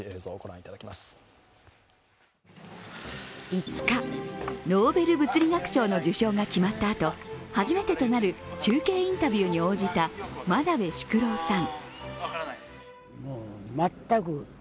５日、ノーベル物理学賞の受賞が決まったあと初めてとなる中継インタビューに応じた真鍋淑郎さん。